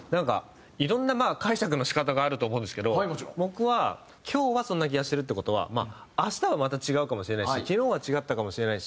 いろんな解釈の仕方があると思うんですけど僕は「今日はそんな気がしてる」って事はまあ明日はまた違うかもしれないし昨日は違ったかもしれないし。